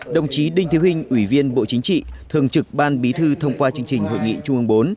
đồng chí đinh thị huynh ủy viên bộ chính trị thường trực ban bí thư thông qua chương trình hội nghị trung ương bốn